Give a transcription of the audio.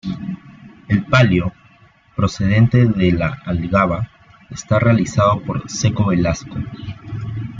El palio, procedente de La Algaba, está realizado por Seco Velasco.